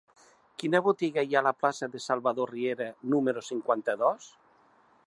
Quina botiga hi ha a la plaça de Salvador Riera número cinquanta-dos?